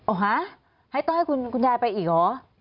โอ้ฮะต้องให้คุณยายไปอีกหรือ